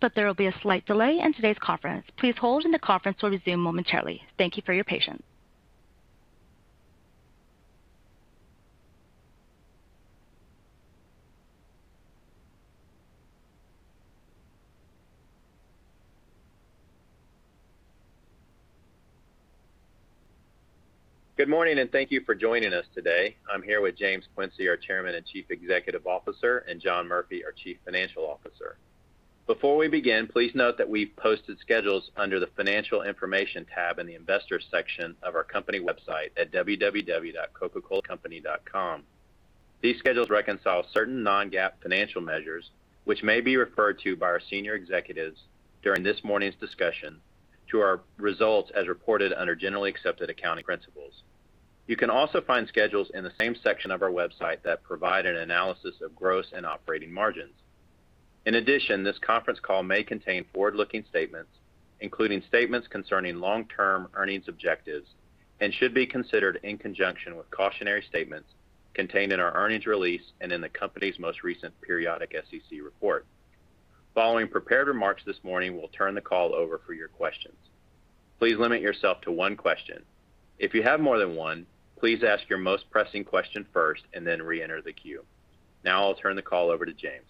But there will be a slight delay in today's conference. Please hold and the conference will resume momentarily. Thank you for your patience. Good morning, and thank you for joining us today. I'm here with James Quincey, our Chairman and Chief Executive Officer, and John Murphy, our Chief Financial Officer. Before we begin, please note that we've posted schedules under the Financial Information tab in the Investors section of our company website at www.coca-colacompany.com. These schedules reconcile certain non-GAAP financial measures, which may be referred to by our senior executives during this morning's discussion to our results as reported under generally accepted accounting principles. You can also find schedules in the same section of our website that provide an analysis of gross and operating margins. In addition, this conference call may contain forward-looking statements, including statements concerning long-term earnings objectives and should be considered in conjunction with cautionary statements contained in our earnings release and in the company's most recent periodic SEC report. Following prepared remarks this morning, we'll turn the call over for your questions. Please limit yourself to one question. If you have more than one, please ask your most pressing question first and then re-enter the queue. Now I'll turn the call over to James.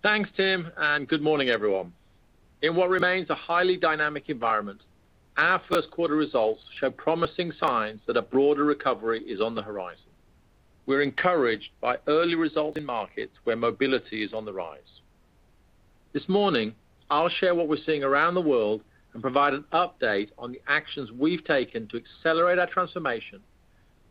Thanks, Tim. Good morning everyone? In what remains a highly dynamic environment, our first quarter results show promising signs that a broader recovery is on the horizon. We're encouraged by early results in markets where mobility is on the rise. This morning, I'll share what we're seeing around the world and provide an update on the actions we've taken to accelerate our transformation,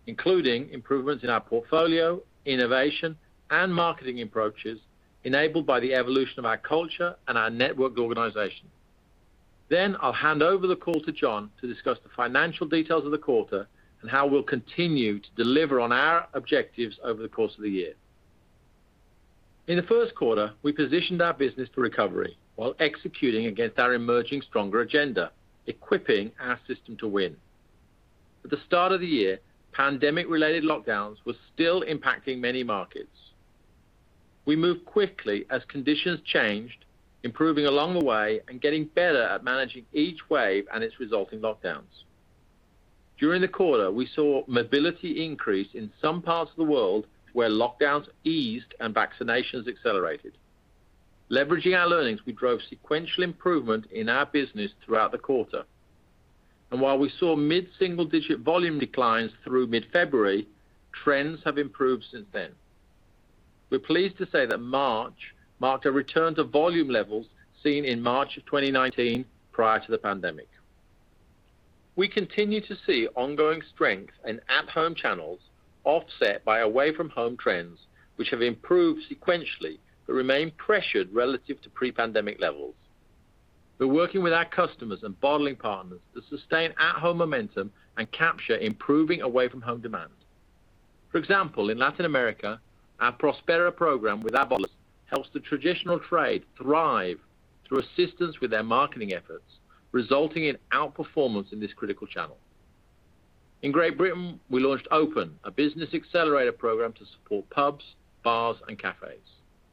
including improvements in our portfolio, innovation, and marketing approaches enabled by the evolution of our culture and our networked organization. I'll hand over the call to John to discuss the financial details of the quarter and how we'll continue to deliver on our objectives over the course of the year. In the first quarter, we positioned our business for recovery while executing against our Emerging Stronger agenda, equipping our system to win. At the start of the year, pandemic-related lockdowns were still impacting many markets. We moved quickly as conditions changed, improving along the way and getting better at managing each wave and its resulting lockdowns. During the quarter, we saw mobility increase in some parts of the world where lockdowns eased and vaccinations accelerated. Leveraging our learnings, we drove sequential improvement in our business throughout the quarter. While we saw mid-single-digit volume declines through mid-February, trends have improved since then. We're pleased to say that March marked a return to volume levels seen in March of 2019 prior to the pandemic. We continue to see ongoing strength in at-home channels offset by away-from-home trends, which have improved sequentially but remain pressured relative to pre-pandemic levels. We're working with our customers and bottling partners to sustain at-home momentum and capture improving away-from-home demand. For example, in Latin America, our Prospera program with our bottlers helps the traditional trade thrive through assistance with their marketing efforts, resulting in outperformance in this critical channel. In Great Britain, we launched Open, a business accelerator program to support pubs, bars, and cafes.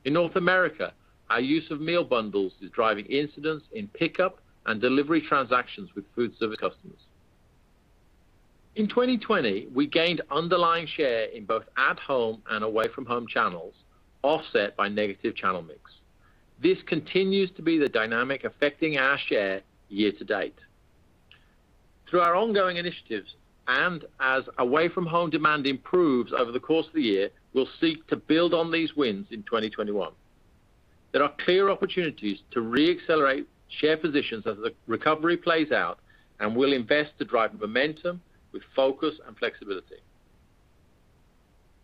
In North America, our use of meal bundles is driving incidents in pickup and delivery transactions with food service customers. In 2020, we gained underlying share in both at-home and away-from-home channels, offset by negative channel mix. This continues to be the dynamic affecting our share year-to-date. Through our ongoing initiatives, and as away-from-home demand improves over the course of the year, we'll seek to build on these wins in 2021. There are clear opportunities to re-accelerate share positions as the recovery plays out, and we'll invest to drive momentum with focus and flexibility.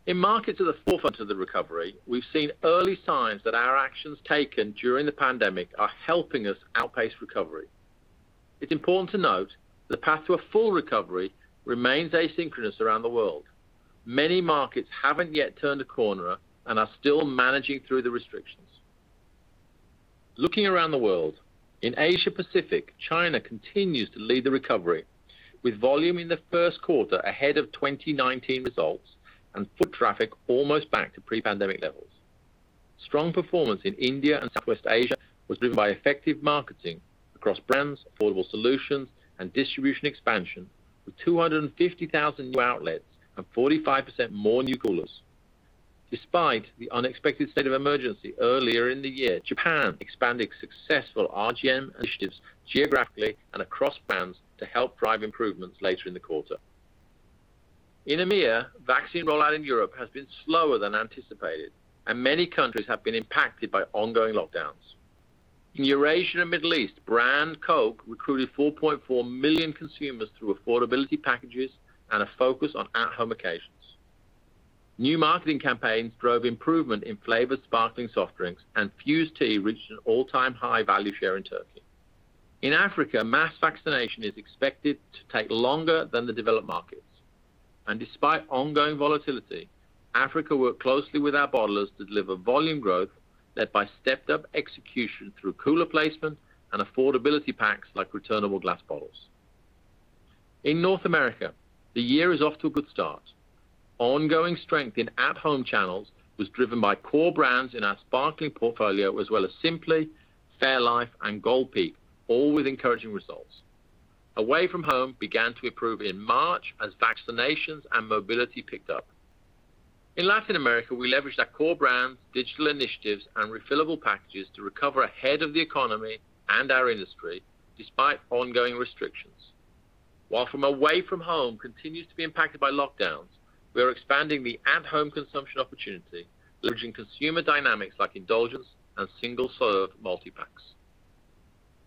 In markets at the forefront of the recovery, we've seen early signs that our actions taken during the pandemic are helping us outpace recovery. It's important to note the path to a full recovery remains asynchronous around the world. Many markets haven't yet turned a corner and are still managing through the restrictions. Looking around the world, in Asia Pacific, China continues to lead the recovery, with volume in the first quarter ahead of 2019 results and foot traffic almost back to pre-pandemic levels. Strong performance in India and Southwest Asia was driven by effective marketing across brands, affordable solutions, and distribution expansion, with 250,000 new outlets and 45% more new coolers. Despite the unexpected State of Emergency earlier in the year, Japan expanded successful RGM initiatives geographically and across brands to help drive improvements later in the quarter. In EMEA, vaccine rollout in Europe has been slower than anticipated, and many countries have been impacted by ongoing lockdowns. In Eurasia and Middle East, brand Coke recruited 4.4 million consumers through affordability packages and a focus on at-home occasions. New marketing campaigns drove improvement in flavored sparkling soft drinks, and FUZE Tea reached an all-time high value share in Turkey. In Africa, mass vaccination is expected to take longer than the developed markets. Despite ongoing volatility, Africa worked closely with our bottlers to deliver volume growth led by stepped-up execution through cooler placement and affordability packs like returnable glass bottles. In North America, the year is off to a good start. Ongoing strength in at-home channels was driven by core brands in our sparkling portfolio, as well as Simply, fairlife, and Gold Peak, all with encouraging results. Away from home began to improve in March as vaccinations and mobility picked up. In Latin America, we leveraged our core brands, digital initiatives, and refillable packages to recover ahead of the economy and our industry, despite ongoing restrictions. While from away from home continues to be impacted by lockdowns, we are expanding the at-home consumption opportunity, leveraging consumer dynamics like indulgence and single-serve multi-packs.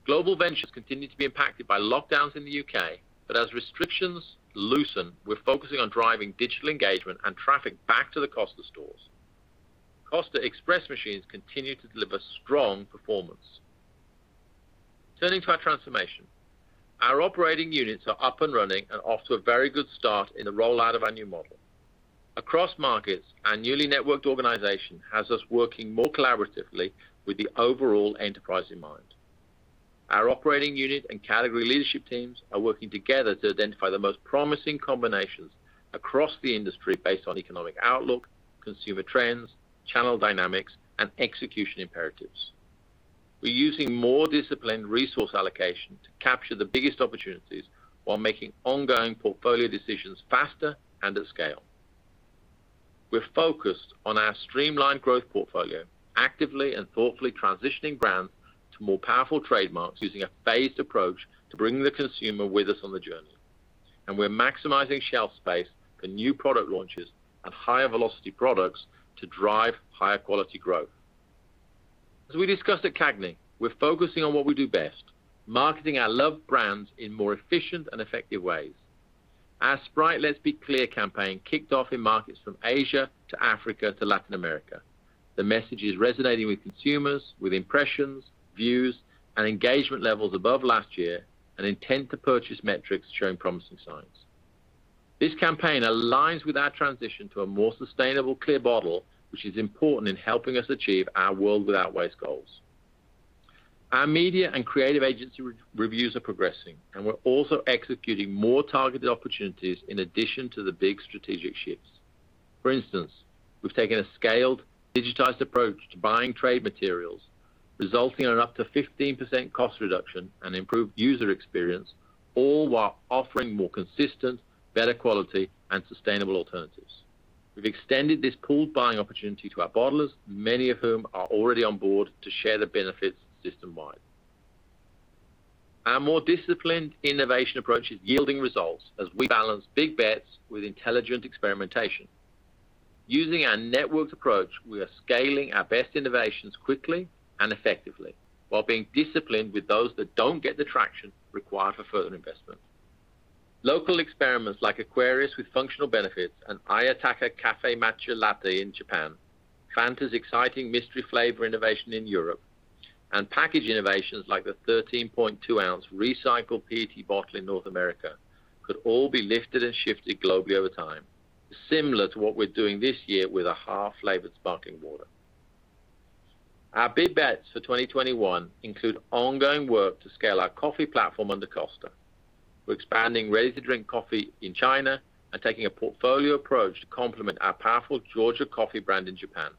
Global ventures continue to be impacted by lockdowns in the U.K., but as restrictions loosen, we're focusing on driving digital engagement and traffic back to the Costa stores. Costa Express machines continue to deliver strong performance. Turning to our transformation. Our operating units are up and running and off to a very good start in the rollout of our new model. Across markets, our newly networked organization has us working more collaboratively with the overall enterprise in mind. Our operating unit and category leadership teams are working together to identify the most promising combinations across the industry based on economic outlook, consumer trends, channel dynamics, and execution imperatives. We're using more disciplined resource allocation to capture the biggest opportunities while making ongoing portfolio decisions faster and at scale. We're focused on our streamlined growth portfolio, actively and thoughtfully transitioning brands to more powerful trademarks using a phased approach to bring the consumer with us on the journey. We're maximizing shelf space for new product launches and higher velocity products to drive higher quality growth. As we discussed at CAGNY, we're focusing on what we do best, marketing our loved brands in more efficient and effective ways. Our Sprite Let's Be Clear campaign kicked off in markets from Asia to Africa to Latin America. The message is resonating with consumers with impressions, views, and engagement levels above last year, and intent to purchase metrics showing promising signs. This campaign aligns with our transition to a more sustainable clear bottle, which is important in helping us achieve our World Without Waste goals. Our media and creative agency reviews are progressing, and we're also executing more targeted opportunities in addition to the big strategic shifts. For instance, we've taken a scaled, digitized approach to buying trade materials, resulting in an up to 15% cost reduction and improved user experience, all while offering more consistent, better quality, and sustainable alternatives. We've extended this pooled buying opportunity to our bottlers, many of whom are already on board to share the benefits system-wide. Our more disciplined innovation approach is yielding results as we balance big bets with intelligent experimentation. Using our networked approach, we are scaling our best innovations quickly and effectively while being disciplined with those that don't get the traction required for further investment. Local experiments like Aquarius with functional benefits and Ayataka Cafe Matcha Latte in Japan, Fanta's exciting mystery flavor innovation in Europe, and package innovations like the 13.2 ounce recycled PET bottle in North America could all be lifted and shifted globally over time. Similar to what we're doing this year with AHA flavored sparkling water. Our big bets for 2021 include ongoing work to scale our coffee platform under Costa. We're expanding ready-to-drink coffee in China and taking a portfolio approach to complement our powerful Georgia coffee brand in Japan.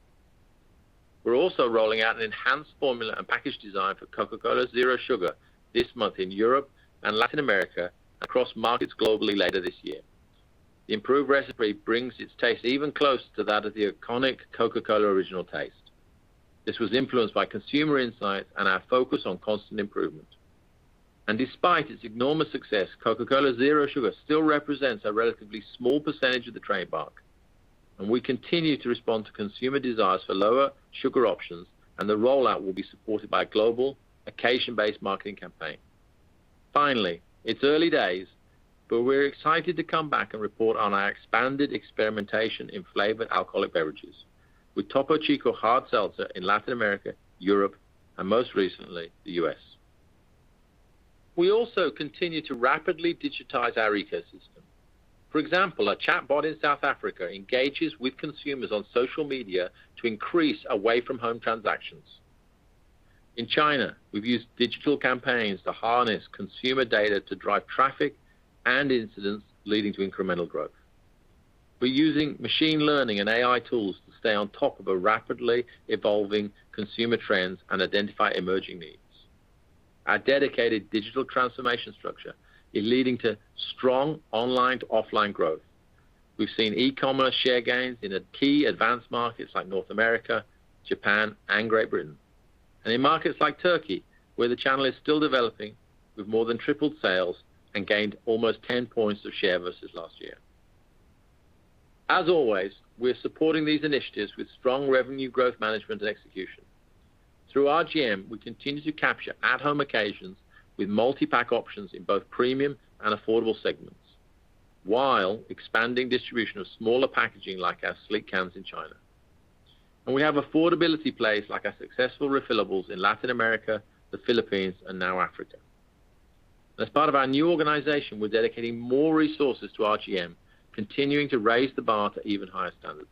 We're also rolling out an enhanced formula and package design for Coca-Cola Zero Sugar this month in Europe and Latin America across markets globally later this year. The improved recipe brings its taste even closer to that of the iconic Coca-Cola Original Taste. This was influenced by consumer insights and our focus on constant improvement. Despite its enormous success, Coca-Cola Zero Sugar still represents a relatively small percentage of the trade mark. We continue to respond to consumer desires for lower sugar options, and the rollout will be supported by a global occasion-based marketing campaign. Finally, it's early days, but we're excited to come back and report on our expanded experimentation in flavored alcoholic beverages with Topo Chico Hard Seltzer in Latin America, Europe, and most recently, the U.S. We also continue to rapidly digitize our ecosystem. For example, a chatbot in South Africa engages with consumers on social media to increase away-from-home transactions. In China, we've used digital campaigns to harness consumer data to drive traffic and incidents leading to incremental growth. We're using machine learning and AI tools to stay on top of our rapidly evolving consumer trends and identify emerging needs. Our dedicated digital transformation structure is leading to strong online-to-offline growth. We've seen E-commerce share gains in key advanced markets like North America, Japan, and Great Britain. In markets like Turkey, where the channel is still developing, we've more than tripled sales and gained almost 10 points of share versus last year. As always, we're supporting these initiatives with strong revenue growth management and execution. Through RGM, we continue to capture at-home occasions with multi-pack options in both premium and affordable segments, while expanding distribution of smaller packaging like our sleek cans in China. We have affordability plays like our successful refillables in Latin America, the Philippines, and now Africa. As part of our new organization, we're dedicating more resources to RGM, continuing to raise the bar to even higher standards.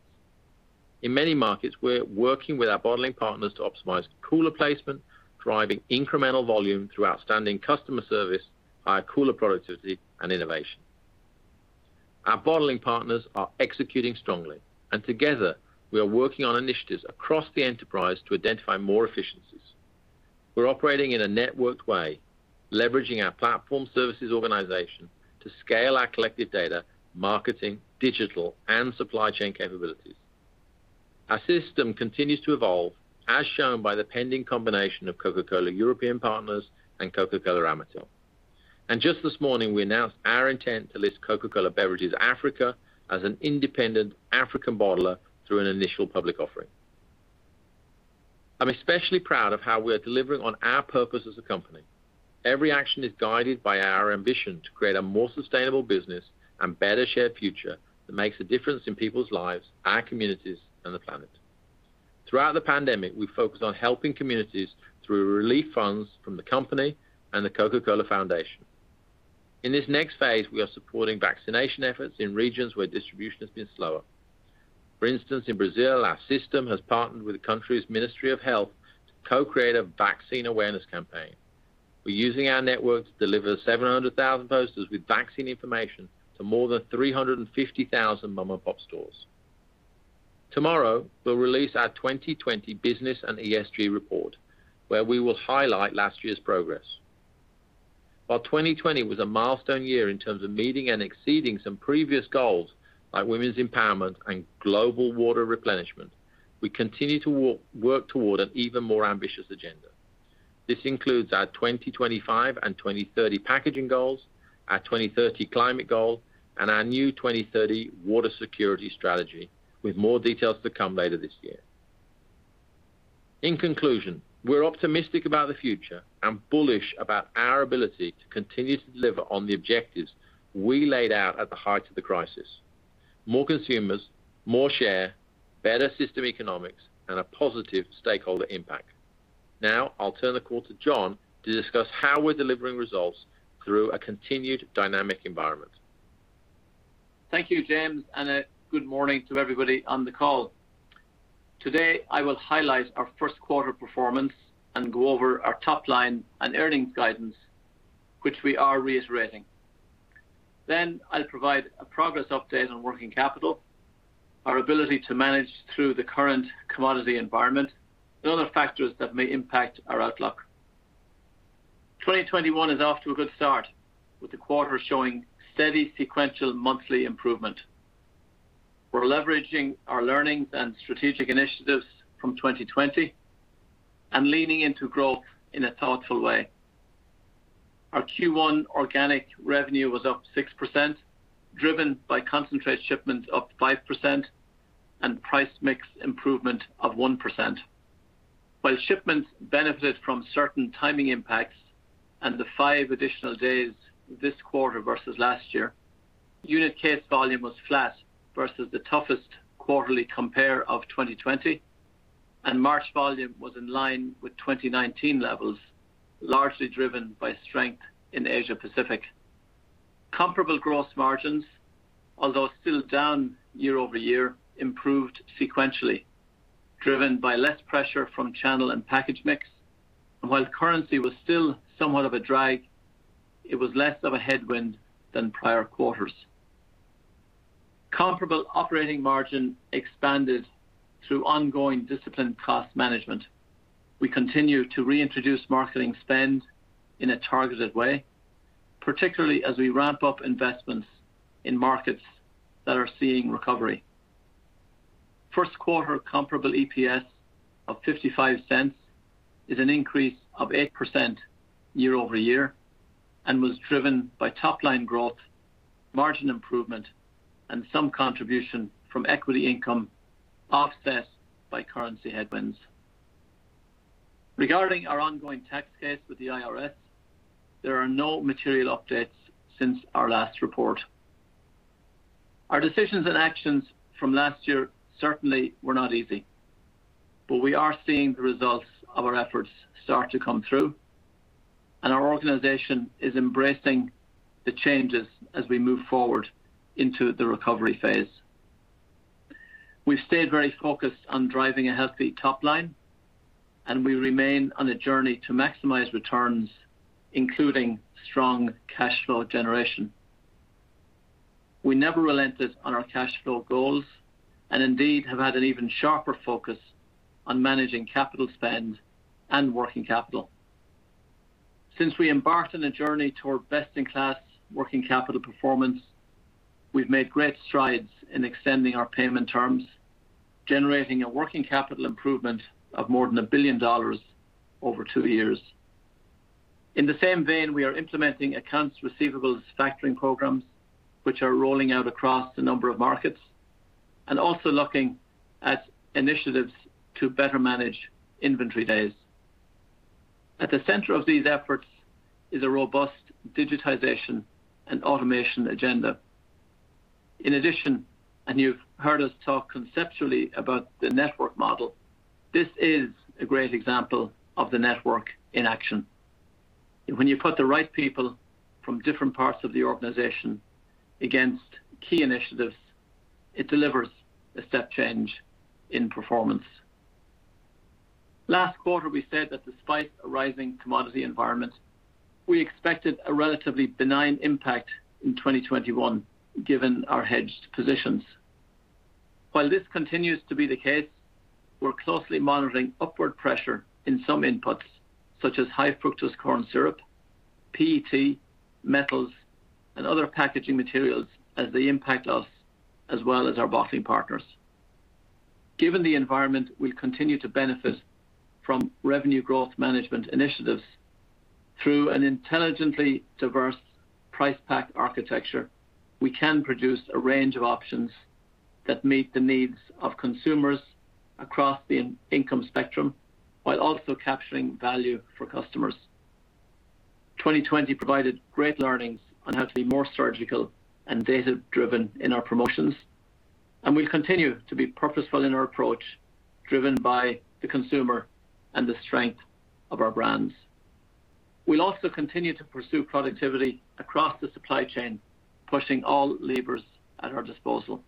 In many markets, we're working with our bottling partners to optimize cooler placement, driving incremental volume through outstanding customer service, higher cooler productivity, and innovation. Our bottling partners are executing strongly. Together we are working on initiatives across the enterprise to identify more efficiencies. We're operating in a networked way, leveraging our platform services organization to scale our collective data, marketing, digital, and supply chain capabilities. Our system continues to evolve, as shown by the pending combination of Coca-Cola European Partners and Coca-Cola Amatil. Just this morning, we announced our intent to list Coca-Cola Beverages Africa as an independent African bottler through an initial public offering. I'm especially proud of how we are delivering on our purpose as a company. Every action is guided by our ambition to create a more sustainable business and better shared future that makes a difference in people's lives, our communities, and the planet. Throughout the pandemic, we focused on helping communities through relief funds from the company and The Coca-Cola Foundation. In this next phase, we are supporting vaccination efforts in regions where distribution has been slower. For instance, in Brazil, our system has partnered with the country's Ministry of Health to co-create a vaccine awareness campaign. We're using our network to deliver 700,000 posters with vaccine information to more than 350,000 mom-and-pop stores. Tomorrow, we'll release our 2020 business and ESG report, where we will highlight last year's progress. While 2020 was a milestone year in terms of meeting and exceeding some previous goals by women's empowerment and global water replenishment, we continue to work toward an even more ambitious agenda. This includes our 2025 and 2030 packaging goals, our 2030 climate goal, and our new 2030 water security strategy, with more details to come later this year. In conclusion, we're optimistic about the future and bullish about our ability to continue to deliver on the objectives we laid out at the height of the crisis. More consumers, more share, better system economics, and a positive stakeholder impact. Now, I'll turn the call to John to discuss how we're delivering results through a continued dynamic environment. Thank you, James, and a good morning to everybody on the call? Today, I will highlight our first quarter performance and go over our top line and earnings guidance, which we are reiterating. I'll provide a progress update on working capital, our ability to manage through the current commodity environment, and other factors that may impact our outlook. 2021 is off to a good start, with the quarter showing steady sequential monthly improvement. We're leveraging our learnings and strategic initiatives from 2020 and leaning into growth in a thoughtful way. Our Q1 organic revenue was up 6%, driven by concentrate shipments up 5% and price mix improvement of 1%. Shipments benefit from certain timing impacts and the five additional days this quarter versus last year, unit case volume was flat versus the toughest quarterly compare of 2020, and March volume was in line with 2019 levels, largely driven by strength in Asia Pacific. Comparable gross margins, although still down year-over-year, improved sequentially, driven by less pressure from channel and package mix, and while currency was still somewhat of a drag, it was less of a headwind than prior quarters. Comparable operating margin expanded through ongoing disciplined cost management. We continue to reintroduce marketing spend in a targeted way, particularly as we ramp up investments in markets that are seeing recovery. First quarter comparable EPS of $0.55 is an increase of 8% year-over-year and was driven by top-line growth, margin improvement, and some contribution from equity income offset by currency headwinds. Regarding our ongoing tax case with the IRS, there are no material updates since our last report. Our decisions and actions from last year certainly were not easy, but we are seeing the results of our efforts start to come through, and our organization is embracing the changes as we move forward into the recovery phase. We've stayed very focused on driving a healthy top line, and we remain on a journey to maximize returns, including strong cash flow generation. We never relented on our cash flow goals and indeed have had an even sharper focus on managing capital spend and working capital. Since we embarked on a journey toward best-in-class working capital performance, we've made great strides in extending our payment terms, generating a working capital improvement of more than $1 billion over two years. In the same vein, we are implementing accounts receivables factoring programs, which are rolling out across a number of markets, and also looking at initiatives to better manage inventory days. At the center of these efforts is a robust digitization and automation agenda. In addition, and you've heard us talk conceptually about the network model, this is a great example of the network in action. When you put the right people from different parts of the organization against key initiatives, it delivers a step change in performance. Last quarter, we said that despite a rising commodity environment, we expected a relatively benign impact in 2021 given our hedged positions. While this continues to be the case, we're closely monitoring upward pressure in some inputs, such as high fructose corn syrup, PET, metals, and other packaging materials as they impact us, as well as our bottling partners. Given the environment, we continue to benefit from revenue growth management initiatives through an intelligently diverse price pack architecture. We can produce a range of options that meet the needs of consumers across the income spectrum, while also capturing value for customers. 2020 provided great learnings on how to be more surgical and data-driven in our promotions, and we'll continue to be purposeful in our approach, driven by the consumer and the strength of our brands. We'll also continue to pursue productivity across the supply chain, pushing all levers at our disposal.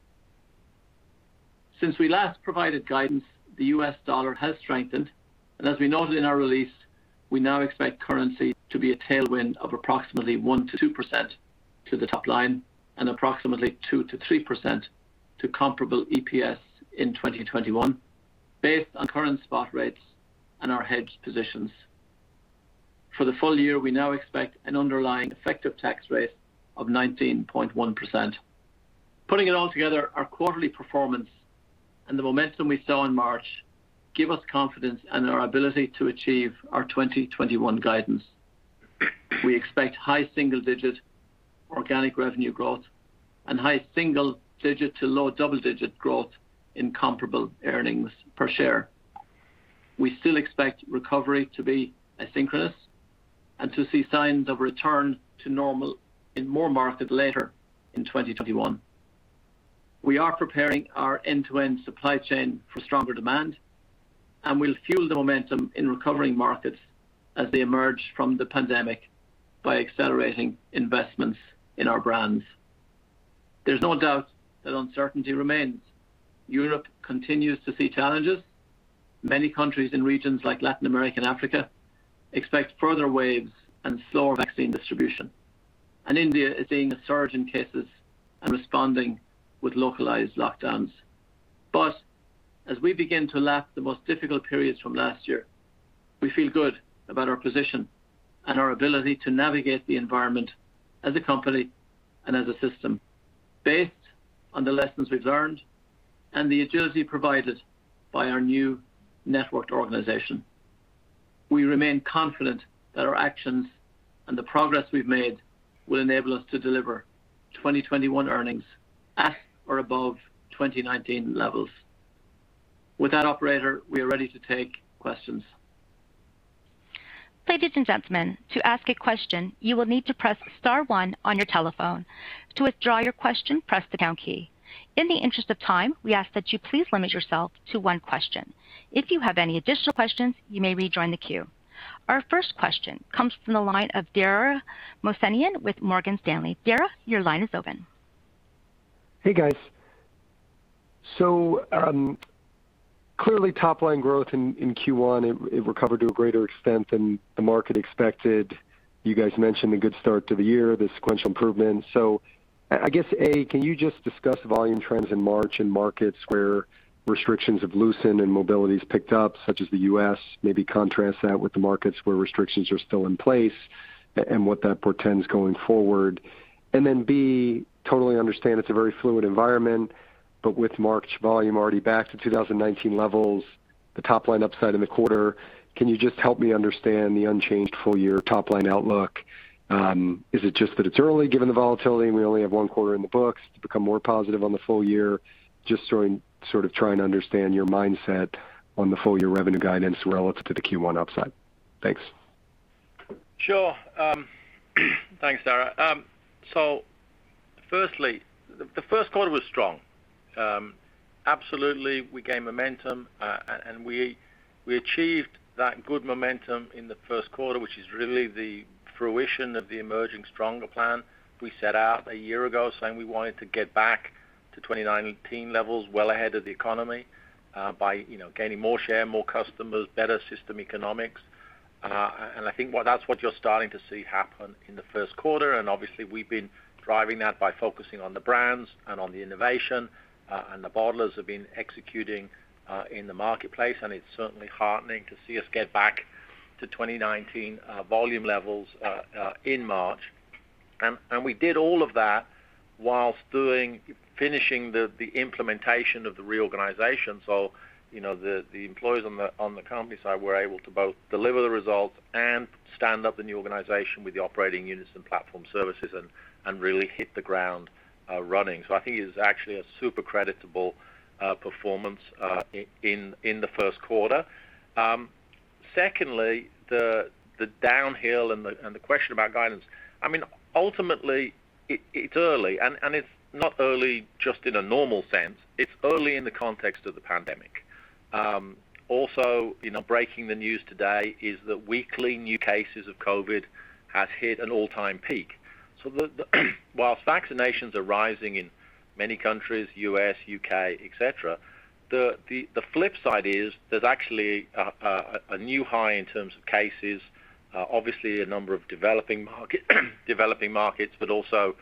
Since we last provided guidance, the U.S. dollar has strengthened, and as we noted in our release, we now expect currency to be a tailwind of approximately 1%-2% to the top line and approximately 2%-3% to comparable EPS in 2021, based on current spot rates and our hedged positions. For the full year, we now expect an underlying effective tax rate of 19.1%. Putting it all together, our quarterly performance and the momentum we saw in March give us confidence in our ability to achieve our 2021 guidance. We expect high single-digit organic revenue growth and high single digit to low double-digit growth in comparable earnings per share. We still expect recovery to be asynchronous and to see signs of return to normal in more markets later in 2021. We are preparing our end-to-end supply chain for stronger demand, and we'll fuel the momentum in recovering markets as they emerge from the pandemic by accelerating investments in our brands. There's no doubt that uncertainty remains. Europe continues to see challenges. Many countries in regions like Latin America and Africa expect further waves and slower vaccine distribution. India is seeing a surge in cases and responding with localized lockdowns. As we begin to lap the most difficult periods from last year, we feel good about our position and our ability to navigate the environment as a company and as a system based on the lessons we've learned and the agility provided by our new networked organization. We remain confident that our actions and the progress we've made will enable us to deliver 2021 earnings at or above 2019 levels. With that operator, we are ready to take questions. Ladies and gentlemen, to ask a question, you will need to press star one on your telephone. To withdraw your question, press the pound key. In the interest of time, we ask that you please limit yourself to one question. If you have any additional questions, you may rejoin the queue. Our first question comes from the line of Dara Mohsenian with Morgan Stanley. Dara, your line is open. Hey, guys? clearly top line growth in Q1, it recovered to a greater extent than the market expected. You guys mentioned a good start to the year, the sequential improvement. I guess, A, can you just discuss volume trends in March in markets where restrictions have loosened and mobility's picked up, such as the U.S., maybe contrast that with the markets where restrictions are still in place and what that portends going forward? B, totally understand it's a very fluid environment, but with March volume already back to 2019 levels, the top line upside in the quarter, can you just help me understand the unchanged full year top line outlook? Is it just that it's early given the volatility and we only have one quarter in the books to become more positive on the full year? Just sort of trying to understand your mindset on the full year revenue guidance relative to the Q1 upside. Thanks. Sure. Thanks, Dara. Firstly, the first quarter was strong. Absolutely, we gained momentum, and we achieved that good momentum in the first quarter, which is really the fruition of the Emerging Stronger plan we set out a year ago saying we wanted to get back to 2019 levels well ahead of the economy, by gaining more share, more customers, better system economics. I think that's what you're starting to see happen in the first quarter. Obviously, we've been driving that by focusing on the brands and on the innovation. The bottlers have been executing in the marketplace, and it's certainly heartening to see us get back to 2019 volume levels in March. We did all of that while finishing the implementation of the reorganization. The employees on the company side were able to both deliver the results and stand up the new organization with the operating units and platform services and really hit the ground running. I think it is actually a super creditable performance in the first quarter. Secondly, the downhill and the question about guidance. Ultimately, it's early, and it's not early just in a normal sense. It's early in the context of the pandemic. Also, breaking the news today is that weekly new cases of COVID has hit an all-time peak. whilst vaccinations are rising in many countries, U.S., U.K., et cetera, the flip side is there's actually a new high in terms of cases. Obviously a number of developing markets, but also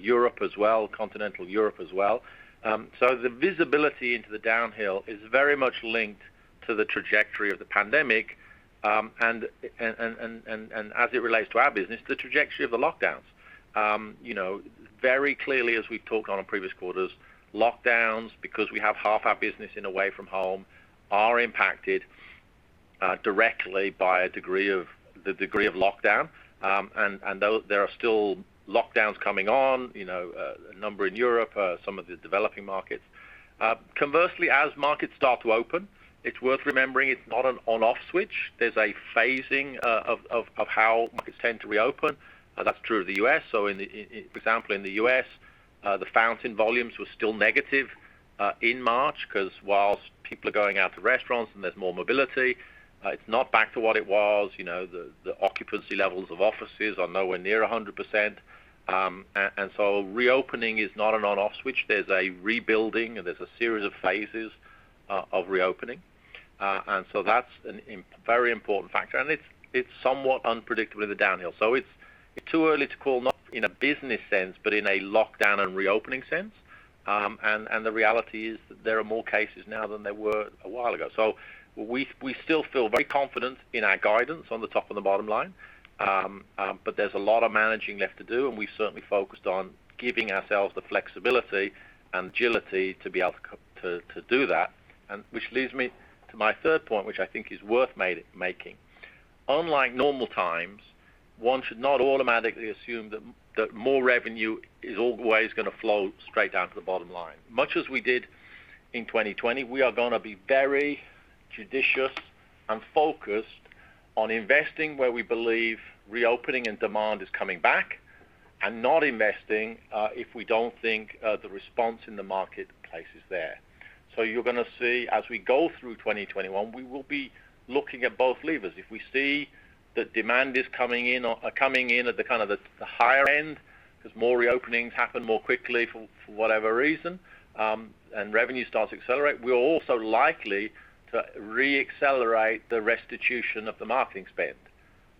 Europe as well, continental Europe as well. the visibility into the downhill is very much linked to the trajectory of the pandemic. as it relates to our business, the trajectory of the lockdowns. Very clearly as we've talked on in previous quarters, lockdowns, because we have half our business in away from home, are impacted directly by the degree of lockdown. there are still lockdowns coming on, a number in Europe, some of the developing markets. Conversely, as markets start to open, it's worth remembering it's not an on/off switch. There's a phasing of how markets tend to reopen. That's true of the U.S., so for example, in the U.S., the fountain volumes were still negative in March because while people are going out to restaurants and there's more mobility, it's not back to what it was. The occupancy levels of offices are nowhere near 100%. Reopening is not an on/off switch. There's a rebuilding and there's a series of phases of reopening. That's a very important factor. It's somewhat unpredictable with the downhill. It's too early to call, not in a business sense, but in a lockdown and reopening sense. The reality is that there are more cases now than there were a while ago. We still feel very confident in our guidance on the top and the bottom line. There's a lot of managing left to do, and we've certainly focused on giving ourselves the flexibility and agility to be able to do that. Which leads me to my third point, which I think is worth making. Unlike normal times, one should not automatically assume that more revenue is always going to flow straight down to the bottom line. Much as we did in 2020, we are going to be very judicious and focused on investing where we believe reopening and demand is coming back, and not investing if we don't think the response in the marketplace is there. You're going to see, as we go through 2021, we will be looking at both levers. If we see that demand is coming in at the higher end because more reopenings happen more quickly for whatever reason, and revenue starts to accelerate, we're also likely to re-accelerate the restitution of the marketing spend.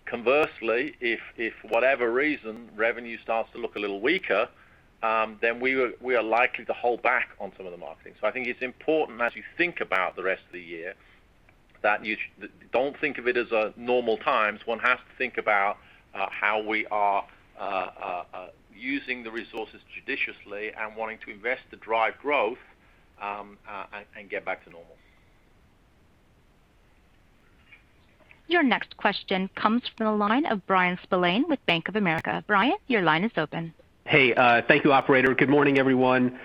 Conversely, if, whatever reason, revenue starts to look a little weaker, then we are likely to hold back on some of the marketing. I think it's important as you think about the rest of the year, don't think of it as a normal times. One has to think about how we are using the resources judiciously and wanting to invest to drive growth and get back to normal. Your next question comes from the line of Bryan Spillane with Bank of America. Bryan, your line is open. Hey, thank you, operator. Good morning everyone?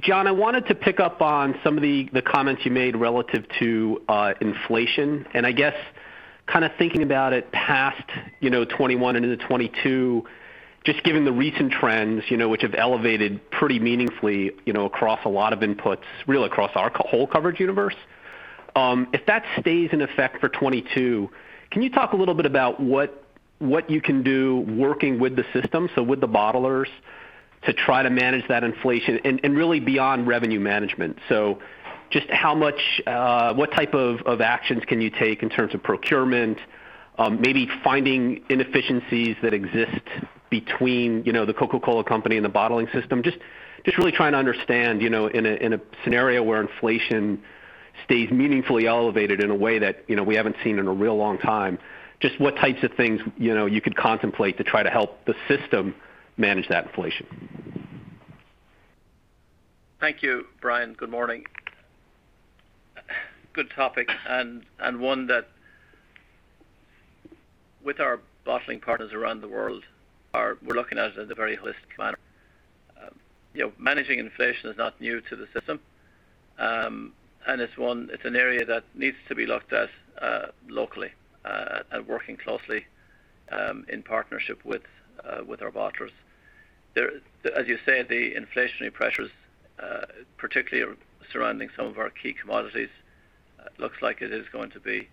John, I wanted to pick up on some of the comments you made relative to inflation, and I guess, thinking about it past 2021 and into 2022, just given the recent trends which have elevated pretty meaningfully across a lot of inputs, really across our whole coverage universe. If that stays in effect for 2022, can you talk a little bit about what you can do working with the system, so with the bottlers, to try to manage that inflation and really beyond revenue management? just what type of actions can you take in terms of procurement, maybe finding inefficiencies that exist between The Coca-Cola Company and the bottling system? Just really trying to understand, in a scenario where inflation stays meaningfully elevated in a way that we haven't seen in a real long time, just what types of things you could contemplate to try to help the system manage that inflation. Thank you, Bryan. Good morning. Good topic, and one that with our bottling partners around the world, we're looking at it in a very holistic manner. Managing inflation is not new to the system. It's an area that needs to be looked at locally and working closely in partnership with our bottlers. As you say, the inflationary pressures, particularly surrounding some of our key commodities, looks like it is going to be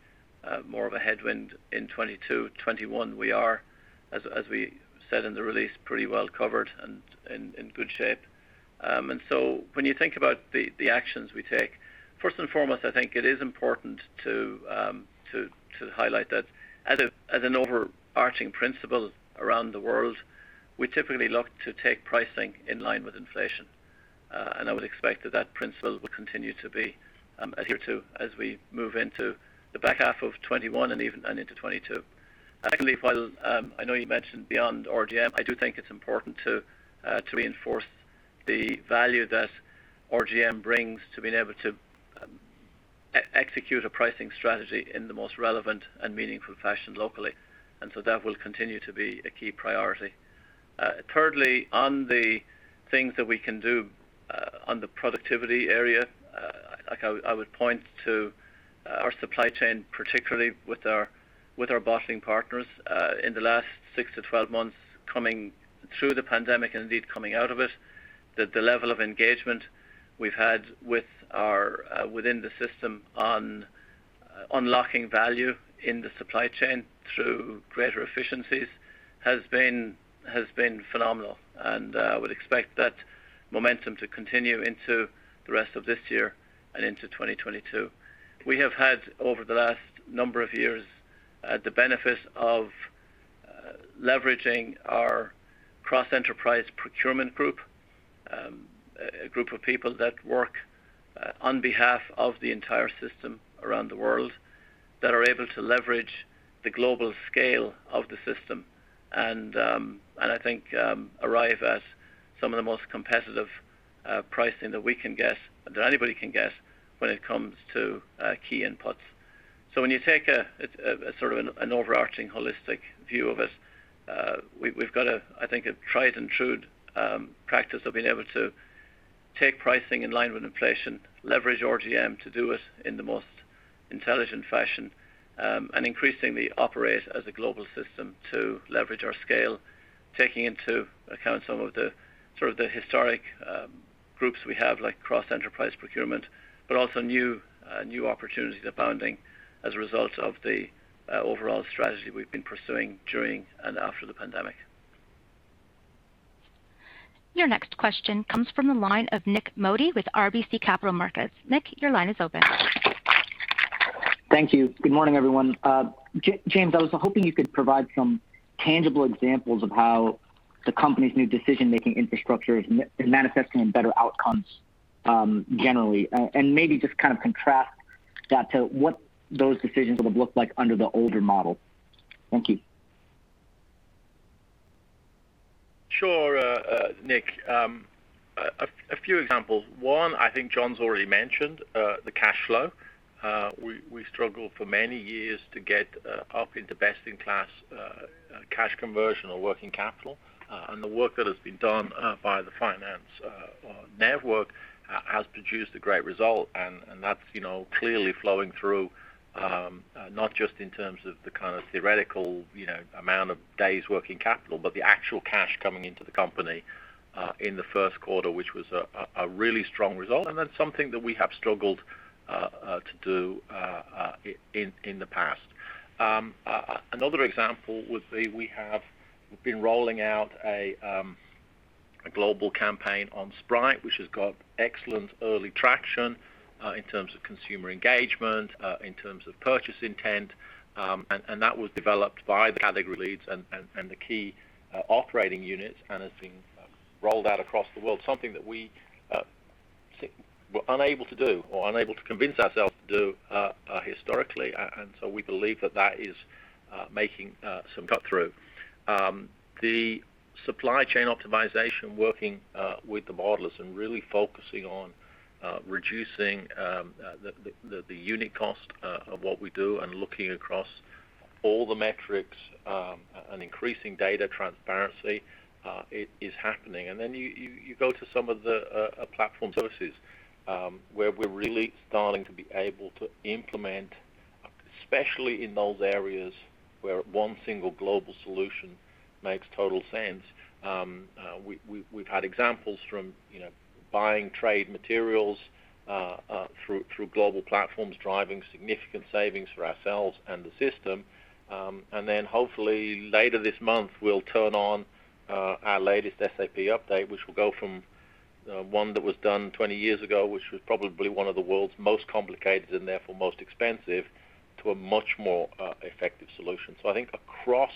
more of a headwind in 2022. 2021, we are, as we said in the release, pretty well covered and in good shape. When you think about the actions we take, first and foremost, I think it is important to highlight that as an overarching principle around the world, we typically look to take pricing in line with inflation. I would expect that principle will continue to be adhered to as we move into the back half of 2021 and into 2022. Secondly, while I know you mentioned beyond RGM, I do think it's important to reinforce the value that RGM brings to being able to execute a pricing strategy in the most relevant and meaningful fashion locally. that will continue to be a key priority. Thirdly, on the things that we can do on the productivity area, I would point to our supply chain, particularly with our With our bottling partners in the last 6 months-12 months coming through the pandemic, indeed coming out of it, that the level of engagement we've had within the system on unlocking value in the supply chain through greater efficiencies has been phenomenal. I would expect that momentum to continue into the rest of this year and into 2022. We have had, over the last number of years, the benefit of leveraging our cross-enterprise procurement group, a group of people that work on behalf of the entire system around the world that are able to leverage the global scale of the system and, I think, arrive at some of the most competitive pricing that we can get, and that anybody can get when it comes to key inputs. When you take a sort of an overarching holistic view of it, we've got, I think, a tried and true practice of being able to take pricing in line with inflation, leverage RGM to do it in the most intelligent fashion, and increasingly operate as a global system to leverage our scale, taking into account some of the historic groups we have, like cross-enterprise procurement, but also new opportunities abounding as a result of the overall strategy we've been pursuing during and after the pandemic. Your next question comes from the line of Nik Modi with RBC Capital Markets. Nik, your line is open. Thank you. Good morning everyone? James, I was hoping you could provide some tangible examples of how the company's new decision-making infrastructure is manifesting in better outcomes, generally. Maybe just contrast that to what those decisions would have looked like under the older model. Thank you. Sure. Nik, a few examples. One, I think John's already mentioned, the cash flow. We struggled for many years to get up into best in class cash conversion or working capital. The work that has been done by the finance network has produced a great result, and that's clearly flowing through, not just in terms of the theoretical amount of days working capital, but the actual cash coming into the company, in the first quarter, which was a really strong result. That's something that we have struggled to do in the past. Another example would be, we have been rolling out a global campaign on Sprite, which has got excellent early traction in terms of consumer engagement, in terms of purchase intent. That was developed by the category leads and the key operating units and is being rolled out across the world. Something that we were unable to do or unable to convince ourselves to do historically. We believe that that is making some cut-through. The supply chain optimization, working with the bottlers and really focusing on reducing the unit cost of what we do and looking across all the metrics, and increasing data transparency, is happening. You go to some of the platform services, where we're really starting to be able to implement, especially in those areas where one single global solution makes total sense. We've had examples from buying trade materials through global platforms, driving significant savings for ourselves and the system. Hopefully later this month, we'll turn on our latest SAP update, which will go from one that was done 20 years ago, which was probably one of the world's most complicated and therefore most expensive, to a much more effective solution. I think across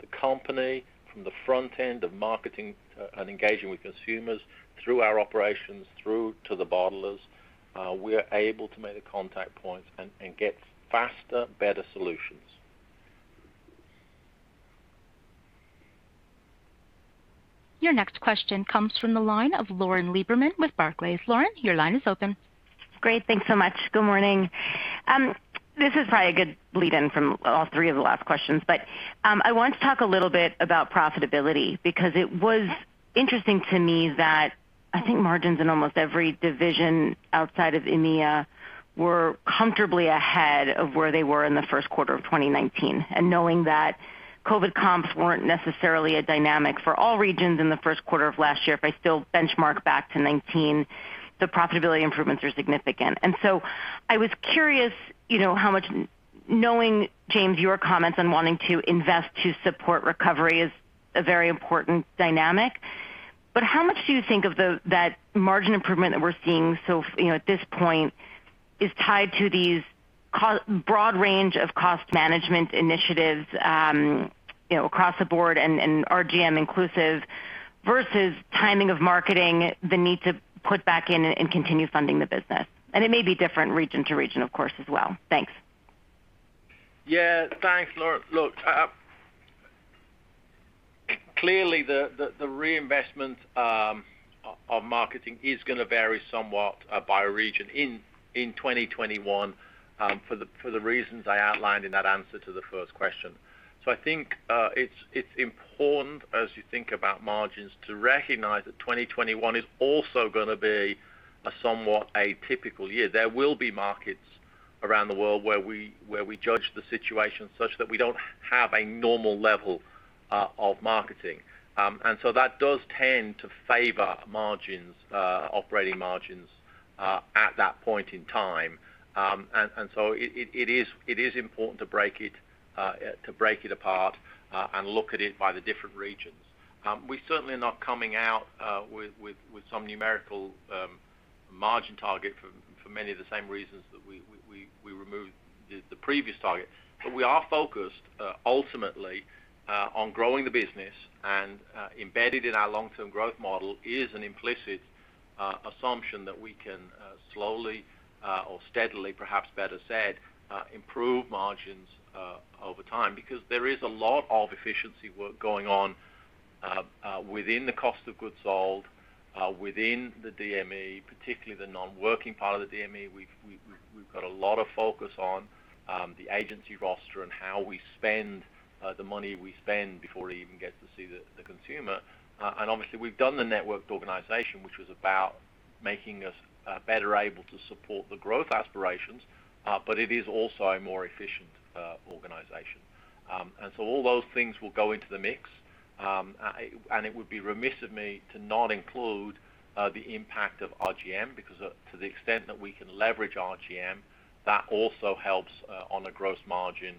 the company, from the front end of marketing and engaging with consumers through our operations, through to the bottlers, we're able to make the contact points and get faster, better solutions. Your next question comes from the line of Lauren Lieberman with Barclays. Lauren, your line is open. Great. Thanks so much. Good morning? This is probably a good lead-in from all three of the last questions, but, I want to talk a little bit about profitability, because it was interesting to me that I think margins in almost every division outside of EMEA were comfortably ahead of where they were in the first quarter of 2019. Knowing that COVID comps weren't necessarily a dynamic for all regions in the first quarter of last year, if I still benchmark back to 2019, the profitability improvements are significant. I was curious, knowing, James, your comments on wanting to invest to support recovery is a very important dynamic. how much do you think of that margin improvement that we're seeing at this point is tied to these broad range of cost management initiatives across the board and RGM inclusive versus timing of marketing, the need to put back in and continue funding the business? it may be different region to region, of course, as well. Thanks. Yeah. Thanks, Lauren. Look, clearly the reinvestment of marketing is going to vary somewhat by region in 2021, for the reasons I outlined in that answer to the first question. I think it's important as you think about margins to recognize that 2021 is also going to be a somewhat atypical year. There will be markets around the world where we judge the situation such that we don't have a normal level of marketing. That does tend to favor margins, operating margins, at that point in time. It is important to break it apart and look at it by the different regions. We certainly are not coming out with some numerical margin target for many of the same reasons that we removed the previous target. We are focused, ultimately, on growing the business and embedded in our long-term growth model is an implicit assumption that we can slowly or steadily, perhaps better said, improve margins over time. Because there is a lot of efficiency work going on within the cost of goods sold, within the DME, particularly the non-working part of the DME. We've got a lot of focus on the agency roster and how we spend the money we spend before it even gets to see the consumer. Obviously we've done the networked organization, which was about making us better able to support the growth aspirations, but it is also a more efficient organization. All those things will go into the mix. It would be remiss of me to not include the impact of RGM, because to the extent that we can leverage RGM, that also helps on a gross margin,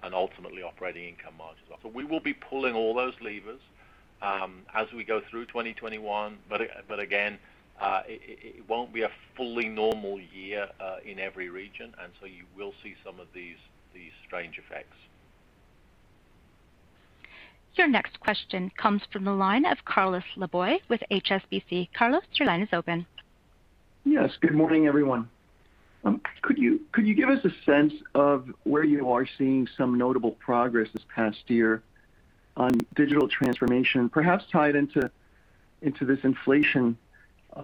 and ultimately operating income margin as well. We will be pulling all those levers as we go through 2021. Again, it won't be a fully normal year in every region. you will see some of these strange effects. Your next question comes from the line of Carlos Laboy with HSBC. Carlos, your line is open. Yes. Good morning everyone? Could you give us a sense of where you are seeing some notable progress this past year on digital transformation, perhaps tied into this inflation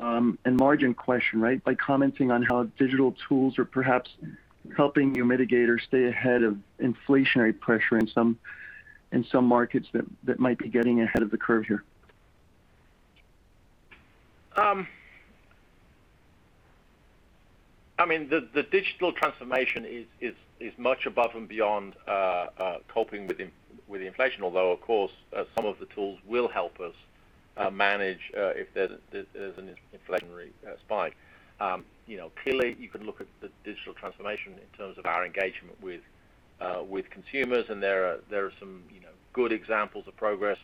and margin question by commenting on how digital tools are perhaps helping you mitigate or stay ahead of inflationary pressure in some markets that might be getting ahead of the curve here? The digital transformation is much above and beyond coping with inflation, although, of course, some of the tools will help us manage if there's an inflationary spike. Clearly you can look at the digital transformation in terms of our engagement with consumers, and there are some good examples of progress.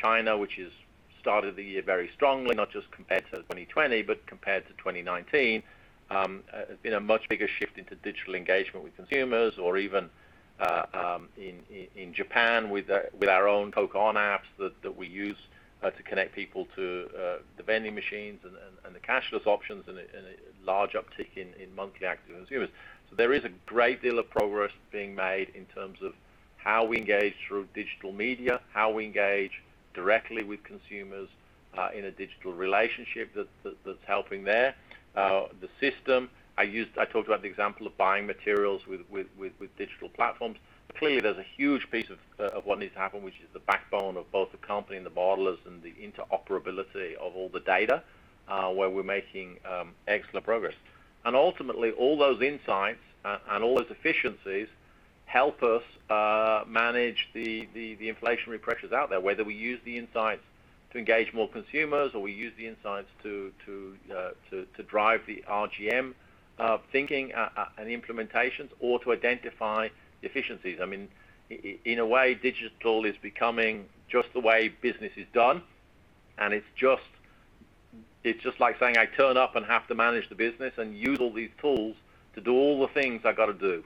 China, which has started the year very strongly, not just compared to 2020, but compared to 2019, been a much bigger shift into digital engagement with consumers or even in Japan with our own Coke ON apps that we use to connect people to the vending machines and the cashless options and a large uptick in monthly active consumers. There is a great deal of progress being made in terms of how we engage through digital media, how we engage directly with consumers in a digital relationship that's helping there. The system, I talked about the example of buying materials with digital platforms. Clearly, there's a huge piece of what needs to happen, which is the backbone of both the company and the bottlers and the interoperability of all the data, where we're making excellent progress. Ultimately, all those insights and all those efficiencies help us manage the inflationary pressures out there, whether we use the insights to engage more consumers or we use the insights to drive the RGM thinking and implementations or to identify efficiencies. In a way, digital is becoming just the way business is done, and it's just like saying I turn up and have to manage the business and use all these tools to do all the things I got to do.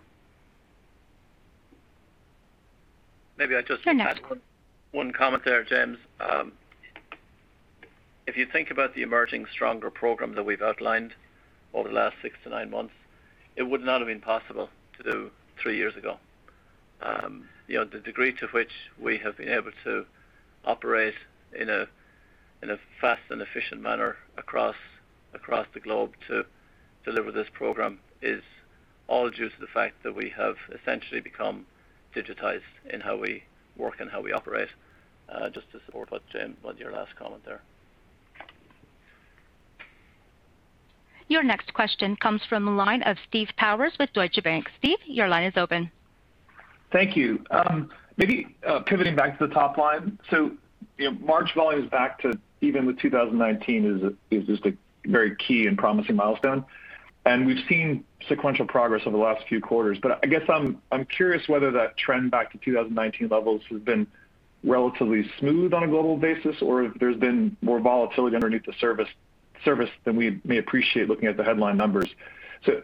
Maybe I just- Your next One comment there, James. If you think about the Emerging Stronger program that we've outlined over the last six to nine months, it would not have been possible to do three years ago. The degree to which we have been able to operate in a fast and efficient manner across the globe to deliver this program is all due to the fact that we have essentially become digitized in how we work and how we operate, just to support what, James, your last comment there. Your next question comes from the line of Steve Powers with Deutsche Bank. Steve, your line is open. Thank you. Maybe pivoting back to the top line. March volumes back to even with 2019 is just a very key and promising milestone, and we've seen sequential progress over the last few quarters. I guess I'm curious whether that trend back to 2019 levels has been relatively smooth on a global basis or if there's been more volatility underneath the surface than we may appreciate looking at the headline numbers.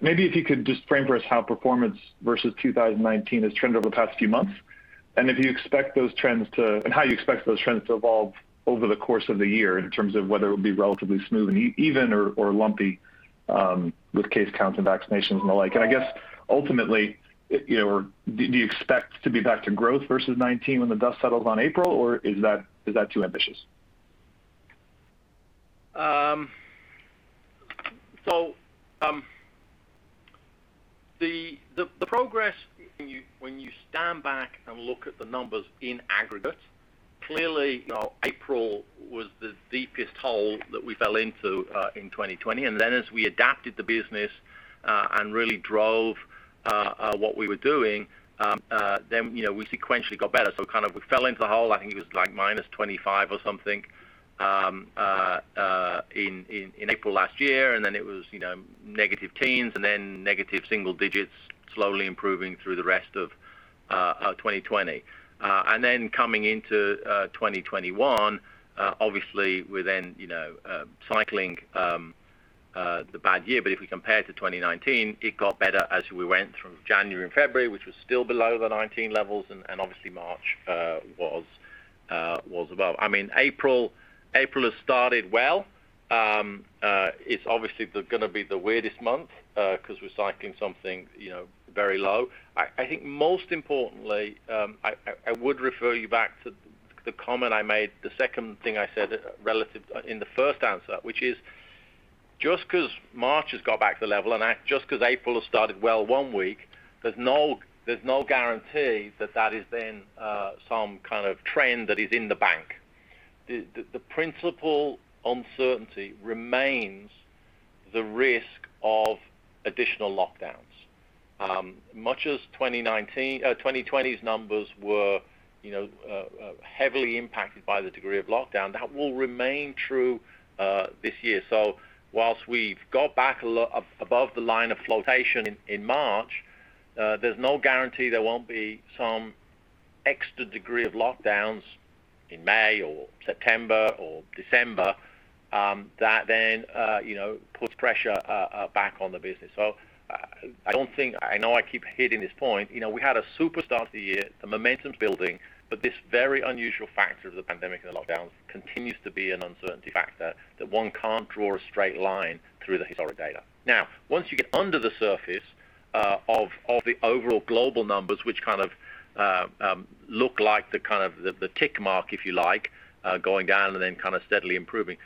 Maybe if you could just frame for us how performance versus 2019 has trended over the past few months, and how you expect those trends to evolve over the course of the year in terms of whether it will be relatively smooth and even or lumpy with case counts and vaccinations and the like. I guess ultimately, do you expect to be back to growth versus 2019 when the dust settles on April, or is that too ambitious? The progress when you stand back and look at the numbers in aggregate, clearly April was the deepest hole that we fell into in 2020. As we adapted the business and really drove what we were doing, then we sequentially got better. We fell into the hole, I think it was like -25% or something in April last year, and then it was negative teens and then negative single digits, slowly improving through the rest of 2020. Coming into 2021, obviously, we're then cycling the bad year. If we compare to 2019, it got better as we went through January and February, which was still below the 2019 levels, and obviously March was above. April has started well. It's obviously going to be the weirdest month because we're cycling something very low. I think most importantly, I would refer you back to the comment I made, the second thing I said in the first answer, which is just because March has got back to level and just because April has started well one week, there's no guarantee that that is then some kind of trend that is in the bank. The principal uncertainty remains the risk of additional lockdowns. Much as 2019, 2020's numbers were heavily impacted by the degree of lockdown, that will remain true this year. Whilst we've got back above the line of flotation in March, there's no guarantee there won't be some extra degree of lockdowns in May or September or December that then puts pressure back on the business. I know I keep hitting this point. We had a super start to the year. The momentum's building. This very unusual factor of the pandemic and the lockdowns continues to be an uncertainty factor that one can't draw a straight line through the historic data. Now, once you get under the surface of the overall global numbers, which look like the tick mark, if you like, going down and then steadily improving.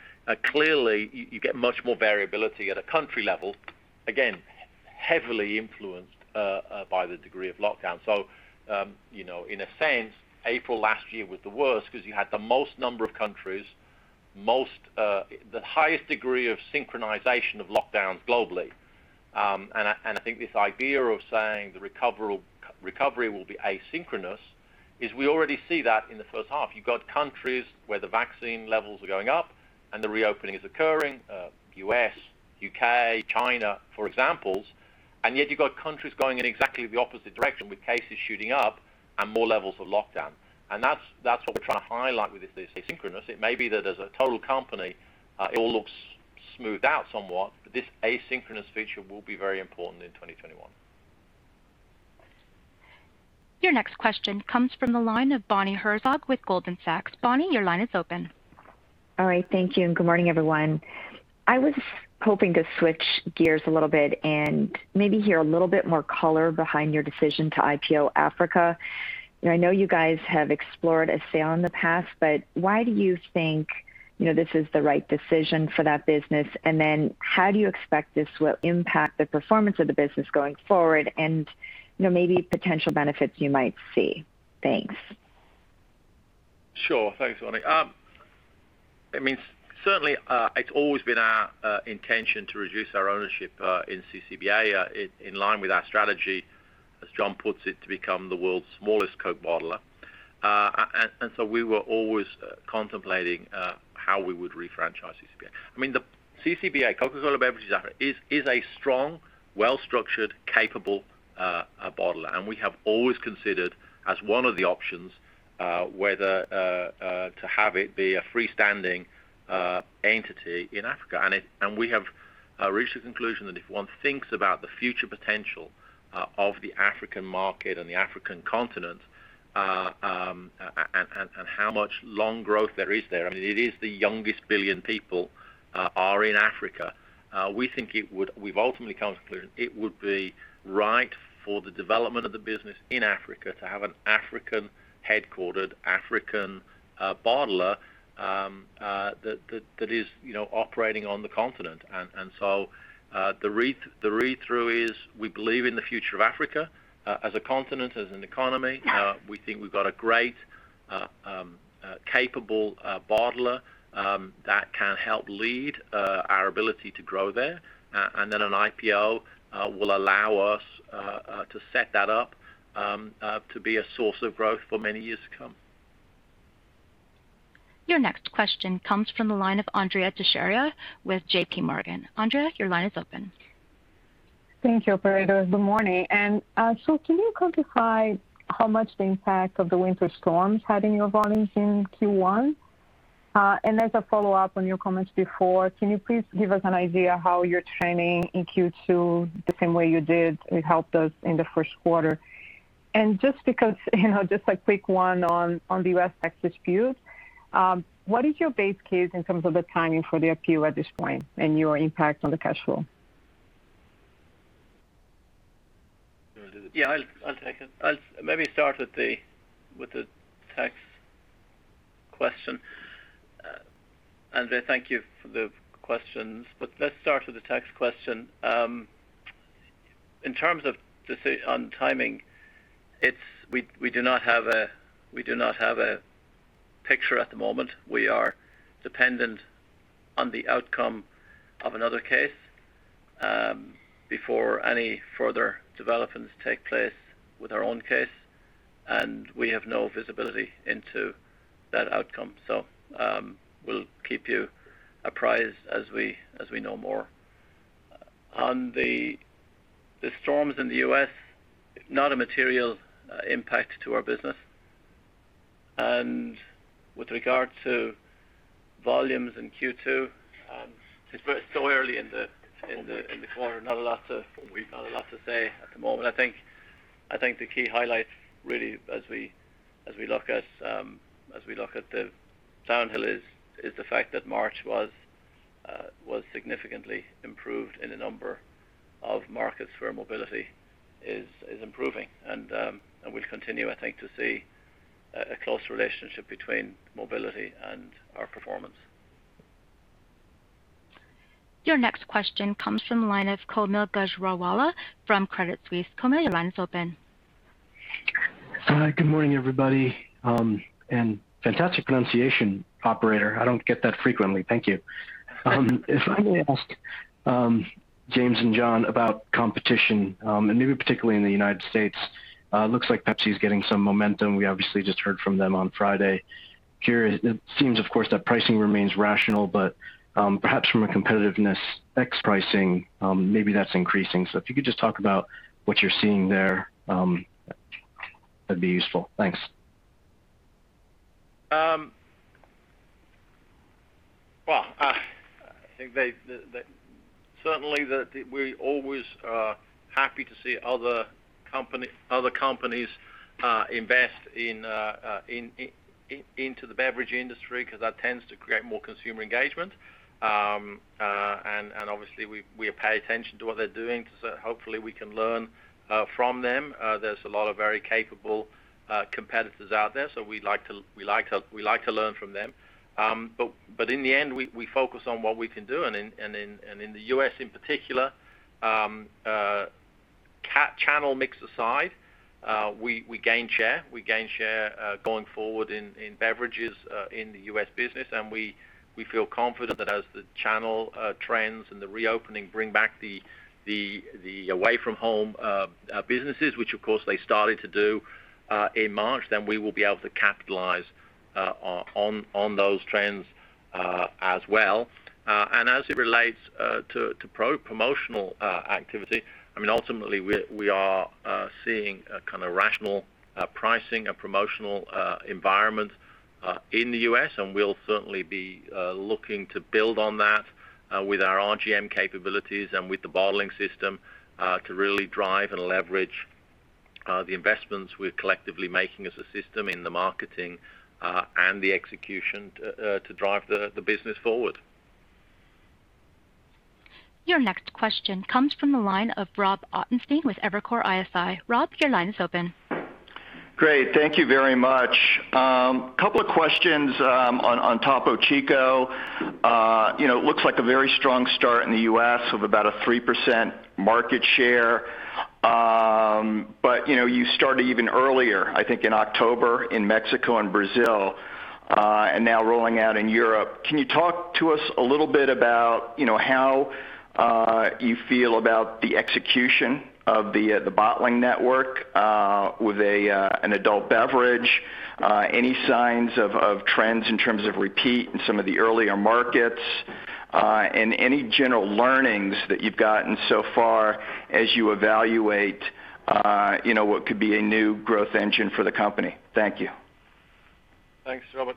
Clearly, you get much more variability at a country level, again, heavily influenced by the degree of lockdown. In a sense, April last year was the worst because you had the most number of countries, the highest degree of synchronization of lockdowns globally. I think this idea of saying the recovery will be asynchronous is we already see that in the first half. You've got countries where the vaccine levels are going up and the reopening is occurring, U.S., U.K., China, for examples. Yet you've got countries going in exactly the opposite direction with cases shooting up and more levels of lockdown. That's what we're trying to highlight with this asynchronous. It may be that as a total company, it all looks smoothed out somewhat, but this asynchronous feature will be very important in 2021. Your next question comes from the line of Bonnie Herzog with Goldman Sachs. Bonnie, your line is open. All right. Thank you, and good morning everyone? I was hoping to switch gears a little bit and maybe hear a little bit more color behind your decision to IPO Africa. I know you guys have explored a sale in the past, but why do you think this is the right decision for that business? How do you expect this will impact the performance of the business going forward and maybe potential benefits you might see? Thanks. Sure. Thanks, Bonnie. Certainly, it's always been our intention to reduce our ownership in CCBA in line with our strategy, as John puts it, to become the world's smallest Coke bottler. We were always contemplating how we would refranchise CCBA. CCBA, Coca-Cola Beverages Africa, is a strong, well-structured, capable bottler. We have always considered as one of the options whether to have it be a freestanding entity in Africa. We have reached a conclusion that if one thinks about the future potential of the African market and the African continent, and how much long growth there is there, it is the youngest billion people are in Africa. We've ultimately come to the conclusion it would be right for the development of the business in Africa to have an African-headquartered, African bottler that is operating on the continent. The read-through is we believe in the future of Africa as a continent, as an economy. We think we've got a great capable bottler that can help lead our ability to grow there. An IPO will allow us to set that up to be a source of growth for many years to come. Your next question comes from the line of Andrea Teixeira with JPMorgan. Andrea, your line is open. Thank you, operator. Good morning? Can you quantify how much the impact of the winter storms had in your volumes in Q1? As a follow-up on your comments before, can you please give us an idea how you're trending in Q2 the same way you did, it helped us in the first quarter. Just a quick one on the U.S. tax disputes. What is your base case in terms of the timing for the appeal at this point and your impact on the cash flow? Yeah, I'll take it. I'll maybe start with the tax question. Andrea, thank you for the questions, but let's start with the tax question. In terms of decision on timing, we do not have a picture at the moment. We are dependent on the outcome of another case, before any further developments take place with our own case, and we have no visibility into that outcome. We'll keep you apprised as we know more. On the storms in the U.S., not a material impact to our business. With regard to volumes in Q2, it's so early in the quarter, not a lot to say at the moment. I think the key highlights really as we look at the downhill is the fact that March was significantly improved in a number of markets where mobility is improving. We'll continue, I think, to see a close relationship between mobility and our performance. Your next question comes from the line of Kaumil Gajrawala from Credit Suisse. Kaumil, your line's open Hi. Good morning everybody? Fantastic pronunciation operator. I don't get that frequently. Thank you. If I may ask James and John about competition, and maybe particularly in the United States, looks like Pepsi is getting some momentum. We obviously just heard from them on Friday. It seems, of course, that pricing remains rational, but perhaps from a competitiveness ex pricing, maybe that's increasing. If you could just talk about what you're seeing there, that'd be useful. Thanks. Well, certainly we always are happy to see other companies invest into the beverage industry because that tends to create more consumer engagement. Obviously we pay attention to what they're doing, so hopefully we can learn from them. There's a lot of very capable competitors out there, so we like to learn from them. In the end, we focus on what we can do. In the U.S. in particular, channel mix aside, we gain share. We gain share going forward in beverages in the U.S. business. We feel confident that as the channel trends and the reopening bring back the away from home businesses, which of course they started to do in March, then we will be able to capitalize on those trends as well. As it relates to promotional activity, ultimately, we are seeing a kind of rational pricing, a promotional environment in the U.S., and we'll certainly be looking to build on that with our RGM capabilities and with the bottling system, to really drive and leverage the investments we're collectively making as a system in the marketing and the execution to drive the business forward. Your next question comes from the line of Rob Ottenstein with Evercore ISI. Rob, your line is open. Great. Thank you very much. Couple of questions on Topo Chico. It looks like a very strong start in the U.S. of about a 3% market share. You started even earlier, I think, in October in Mexico and Brazil, and now rolling out in Europe. Can you talk to us a little bit about how you feel about the execution of the bottling network with an adult beverage? Any signs of trends in terms of repeat in some of the earlier markets? Any general learnings that you've gotten so far as you evaluate what could be a new growth engine for the company? Thank you. Thanks, Rob.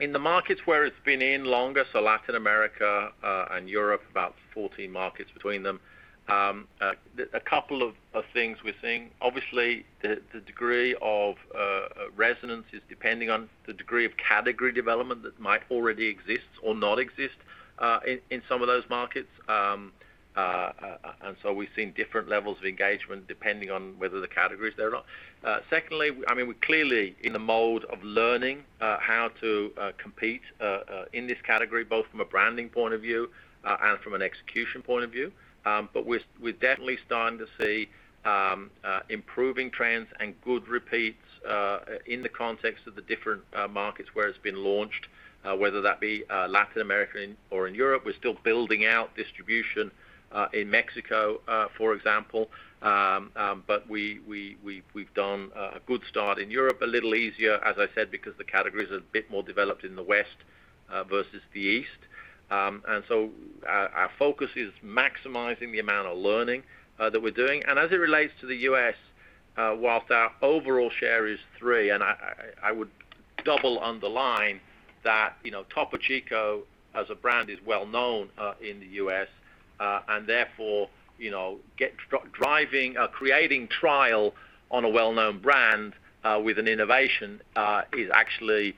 In the markets where it's been in longer, so Latin America and Europe, about 14 markets between them, a couple of things we're seeing. Obviously, the degree of resonance is depending on the degree of category development that might already exist or not exist in some of those markets. We've seen different levels of engagement depending on whether the category is there or not. Secondly, we're clearly in the mode of learning how to compete in this category, both from a branding point of view and from an execution point of view. We're definitely starting to see improving trends and good repeats in the context of the different markets where it's been launched, whether that be Latin America or in Europe. We're still building out distribution in Mexico, for example. We've done a good start in Europe, a little easier, as I said, because the category is a bit more developed in the West versus the East. Our focus is maximizing the amount of learning that we're doing. As it relates to the U.S., whilst our overall share is three, and I would double underline that Topo Chico as a brand is well-known in the U.S., and therefore, creating trial on a well-known brand with an innovation is actually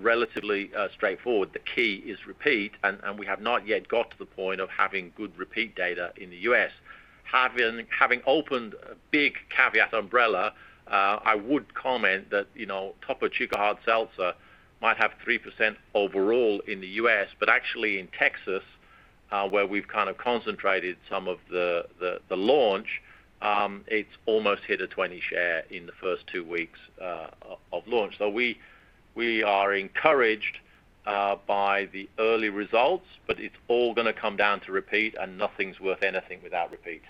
relatively straightforward. The key is repeat, and we have not yet got to the point of having good repeat data in the U.S. Having opened a big caveat umbrella, I would comment that Topo Chico Hard Seltzer might have 3% overall in the U.S., but actually in Texas, where we've kind of concentrated some of the launch, it's almost hit a 20 share in the first two weeks of launch. We are encouraged by the early results, but it's all going to come down to repeat, and nothing's worth anything without repeat.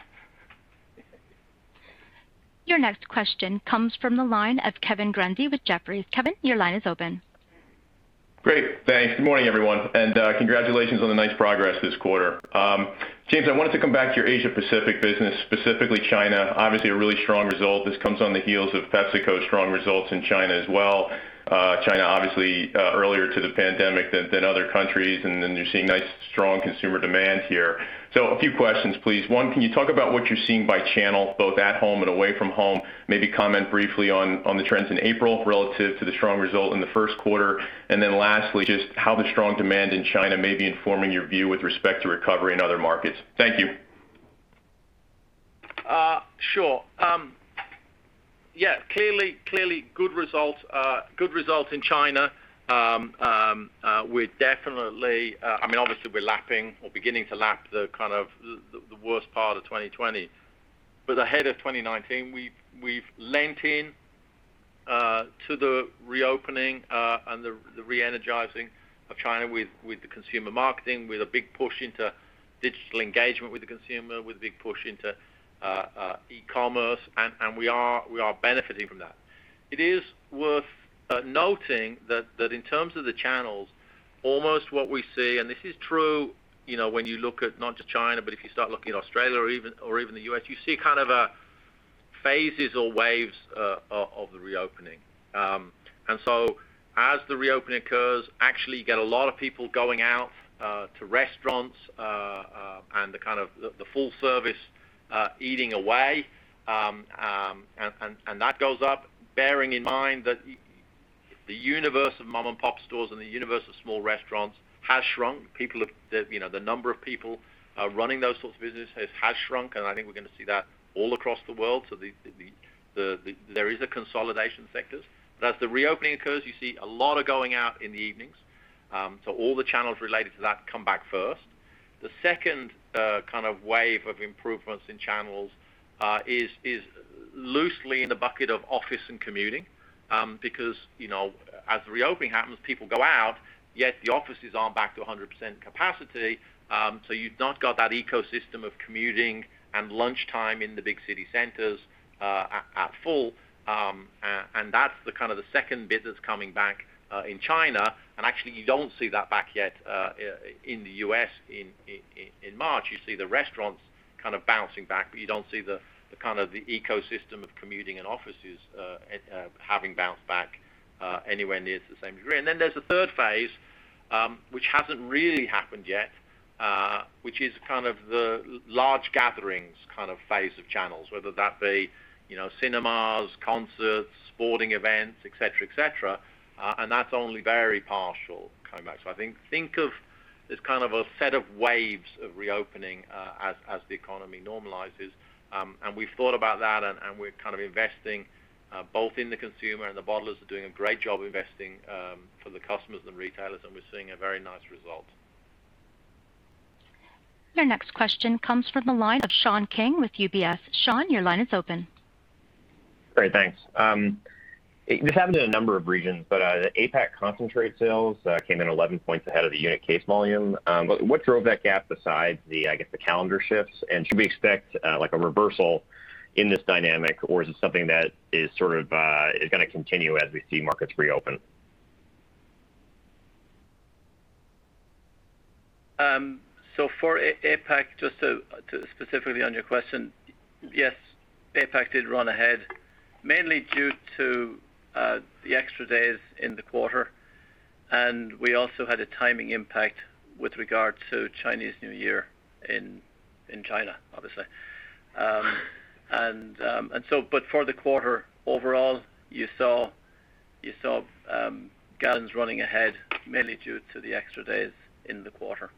Your next question comes from the line of Kevin Grundy with Jefferies. Kevin, your line is open. Great. Thanks. Good morning, everyone, and congratulations on the nice progress this quarter. James, I wanted to come back to your Asia-Pacific business, specifically China. Obviously, a really strong result. This comes on the heels of PepsiCo's strong results in China as well. China, obviously, earlier to the pandemic than other countries, and then you're seeing nice, strong consumer demand here. A few questions, please. One, can you talk about what you're seeing by channel, both at home and away from home? Maybe comment briefly on the trends in April relative to the strong result in the first quarter. Lastly, just how the strong demand in China may be informing your view with respect to recovery in other markets. Thank you. Sure. Yeah, clearly good results in China. Obviously, we're lapping or beginning to lap the worst part of 2020. Ahead of 2019, we've leant in to the reopening and the re-energizing of China with the consumer marketing, with a big push into digital engagement with the consumer, with a big push into e-commerce, and we are benefiting from that. It is worth noting that in terms of the channels, almost what we see, and this is true, when you look at not just China, but if you start looking at Australia or even the U.S., you see phases or waves of the reopening. As the reopening occurs, actually, you get a lot of people going out to restaurants, and the full service eating away, and that goes up, bearing in mind that the universe of mom-and-pop stores and the universe of small restaurants has shrunk. The number of people running those sorts of businesses has shrunk, and I think we're going to see that all across the world. There is a consolidation sectors. As the reopening occurs, you see a lot of going out in the evenings. All the channels related to that come back first. The second wave of improvements in channels is loosely in the bucket of office and commuting, because as the reopening happens, people go out, yet the offices aren't back to 100% capacity, so you've not got that ecosystem of commuting and lunchtime in the big city centers at full, and that's the second business coming back in China. Actually, you don't see that back yet in the U.S. in March. You see the restaurants kind of bouncing back, you don't see the ecosystem of commuting and offices having bounced back anywhere near to the same degree. There's a third phase, which hasn't really happened yet, which is the large gatherings phase of channels, whether that be cinemas, concerts, sporting events, et cetera. That's only very partial come back. I think of this kind of a set of waves of reopening, as the economy normalizes. We've thought about that, and we're investing both in the consumer and the bottlers are doing a great job investing for the customers and retailers, and we're seeing a very nice result. Your next question comes from the line of Sean King with UBS. Sean, your line is open. Great. Thanks. This happened in a number of regions. The APAC concentrate sales came in 11 points ahead of the unit case volume. What drove that gap besides the, I guess, the calendar shifts? Should we expect a reversal in this dynamic, or is it something that is going to continue as we see markets reopen? For APAC, just to specifically on your question, yes, APAC did run ahead, mainly due to the extra days in the quarter, and we also had a timing impact with regard to Chinese New Year in China, obviously. For the quarter overall, you saw gallons running ahead, mainly due to the extra days in the quarter.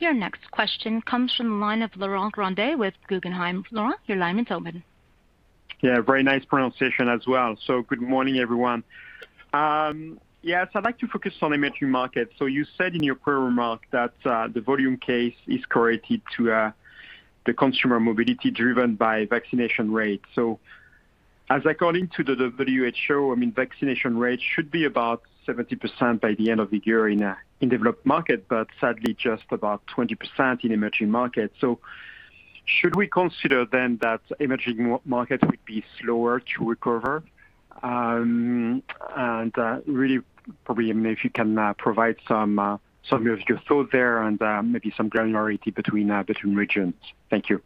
Your next question comes from the line of Laurent Grandet with Guggenheim. Laurent, your line is open. Yeah, very nice pronunciation as well. Good morning everyone? Yes, I'd like to focus on emerging markets. You said in your prior remark that the volume case is correlated to the consumer mobility driven by vaccination rates. As according to the WHO, vaccination rates should be about 70% by the end of the year in developed market, but sadly just about 20% in emerging markets. Should we consider then that emerging markets would be slower to recover? Really, probably, if you can provide some of your thoughts there and maybe some granularity between regions. Thank you.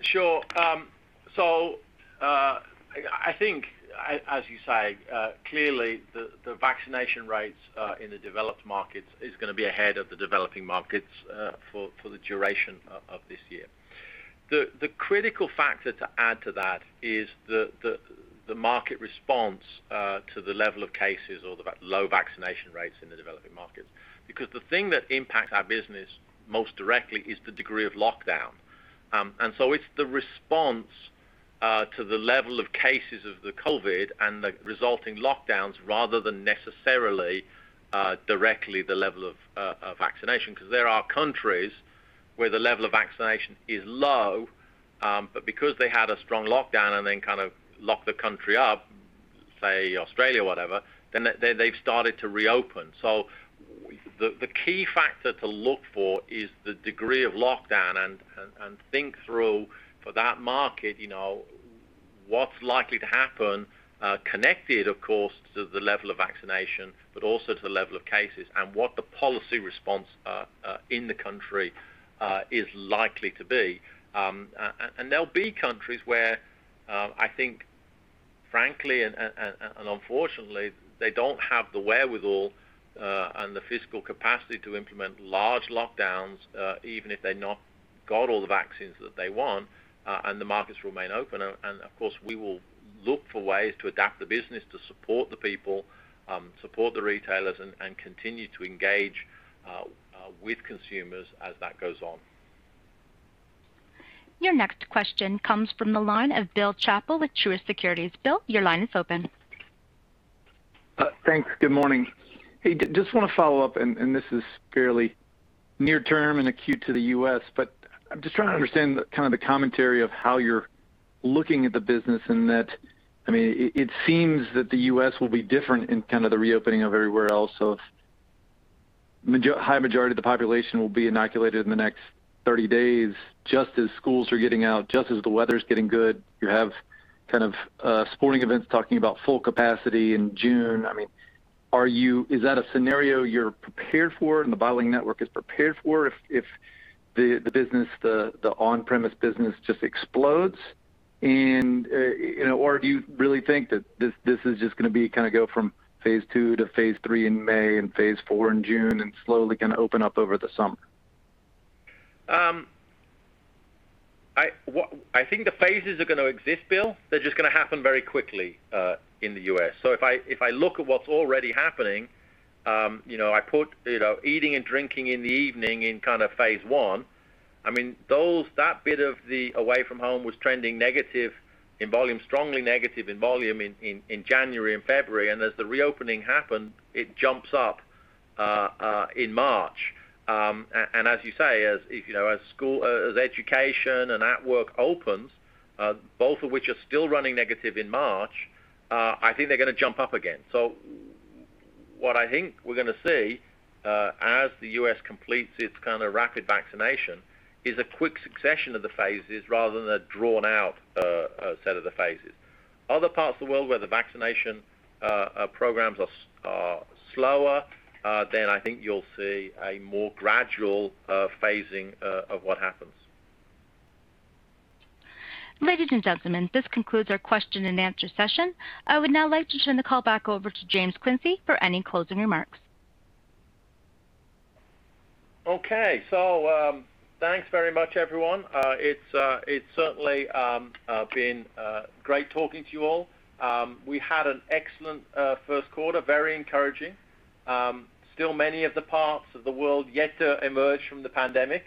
Sure. I think, as you say, clearly the vaccination rates in the developed markets is going to be ahead of the developing markets for the duration of this year. The critical factor to add to that is the market response to the level of cases or the low vaccination rates in the developing markets. Because the thing that impacts our business most directly is the degree of lockdown. It's the response to the level of cases of the COVID and the resulting lockdowns rather than necessarily directly the level of vaccination, because there are countries where the level of vaccination is low, but because they had a strong lockdown and then locked the country up, say Australia, whatever, then they've started to reopen. The key factor to look for is the degree of lockdown and think through for that market, what's likely to happen, connected, of course, to the level of vaccination, but also to the level of cases and what the policy response in the country is likely to be. There'll be countries where, I think, frankly and unfortunately, they don't have the wherewithal and the physical capacity to implement large lockdowns, even if they've not got all the vaccines that they want, and the markets remain open. Of course, we will look for ways to adapt the business to support the people, support the retailers, and continue to engage with consumers as that goes on. Your next question comes from the line of Bill Chappell with Truist Securities. Bill, your line is open. Thanks. Good morning? Hey, just want to follow up, this is fairly near term and acute to the U.S., but I'm just trying to understand the commentary of how you're looking at the business in that, it seems that the U.S. will be different in the reopening of everywhere else. if high majority of the population will be inoculated in the next 30 days, just as schools are getting out, just as the weather's getting good, you have sporting events talking about full capacity in June. Is that a scenario you're prepared for and the bottling network is prepared for if the on-premise business just explodes? do you really think that this is just going to go from phase II to phase III in May and phase IV in June and slowly open up over the summer? I think the phases are going to exist, Bill. They're just going to happen very quickly in the U.S. If I look at what's already happening, I put eating and drinking in the evening in phase one. That bit of the away from home was trending negative in volume, strongly negative in volume in January and February, and as the reopening happened, it jumps up in March. As you say, as education and at work opens, both of which are still running negative in March, I think they're going to jump up again. What I think we're going to see, as the U.S. completes its rapid vaccination, is a quick succession of the phases rather than a drawn-out set of the phases. Other parts of the world where the vaccination programs are slower, then I think you'll see a more gradual phasing of what happens. Ladies and gentlemen, this concludes our question-and answer-session. I would now like to turn the call back over to James Quincey for any closing remarks. Okay. Thanks very much, everyone. It's certainly been great talking to you all. We had an excellent first quarter, very encouraging. Still many of the parts of the world yet to emerge from the pandemic.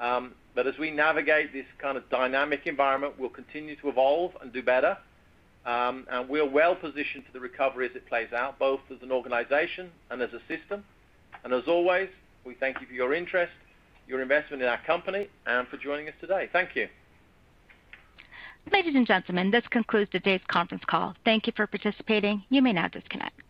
As we navigate this kind of dynamic environment, we'll continue to evolve and do better. As always, we thank you for your interest, your investment in our company, and for joining us today. Thank you. Ladies and gentlemen, this concludes today's conference call. Thank you for participating, you may now disconnect.